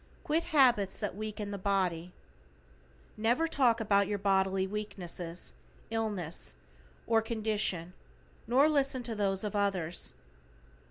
Quit habits that weaken the body. Never talk about your bodily weakness, illness, or condition, nor listen to those of others.